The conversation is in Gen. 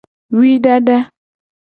Wui dada.